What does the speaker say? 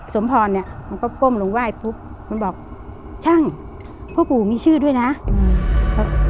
สมพรเนี้ยมันก็ก้มลงไหว้ปุ๊บมันบอกช่างพ่อปู่มีชื่อด้วยนะอืม